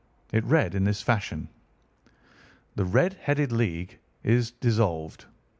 It read in this fashion: "THE RED HEADED LEAGUE IS DISSOLVED.